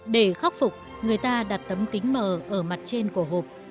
để khắc phục người ta đặt tấm kính mờ ở mặt trên của hộp